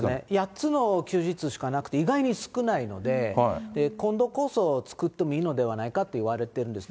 ８つの休日しかなくて、意外に少ないので、今度こそ作ってもいいのではないかといわれてるんです。